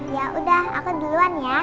ya udah aku duluan ya